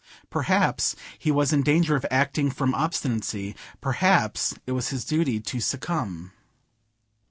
Perhaps he was in danger of acting from obstinacy; perhaps it was his duty to succumb.